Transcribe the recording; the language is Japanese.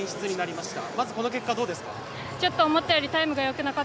まずこの結果、どうですか。